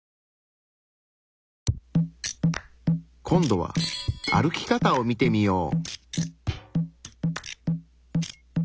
今度は歩き方を見てみよう。